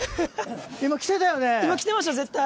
今きてました絶対。